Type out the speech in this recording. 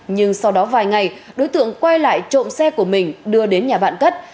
nhưng sau đó vài ngày đối tượng quay lại trộm xe của mình đưa đến nhà bạn cất